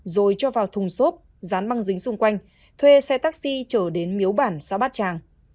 rồi cho vào thùng xốp dán băng dính xung quanh thuê xe taxi trở đến miếu bản xã bát tràng